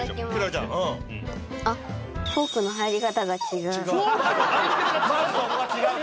あっフォークの入り方が違う？